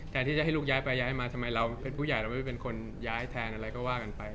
แทนที่จะให้ลูกย้ายไปย้ายมาทำไมเราเป็นผู้ใหญ่เราไม่เป็นคนย้ายแทนอะไรก็ว่ากันไป